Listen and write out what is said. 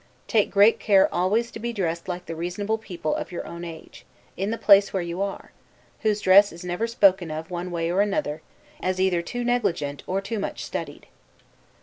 Take great care always to be dressed like the reasonable people of your own age, in the place where you are; whose dress is never spoken of one way or another, as either too negligent or too much studied.